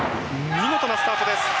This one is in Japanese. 見事なスタートです。